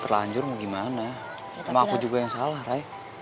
kan terus imut lucu cantik